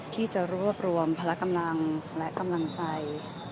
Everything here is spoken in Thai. ที่จะรวบรวมพละกำลังและกำลังใจ